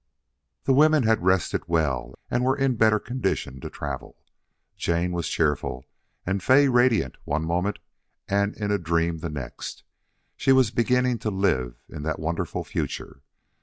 The women had rested well and were in better condition to travel. Jane was cheerful and Fay radiant one moment and in a dream the next. She was beginning to live in that wonderful future.